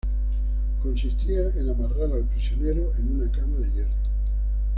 Consistían en amarrar al prisionero en una cama de hierro.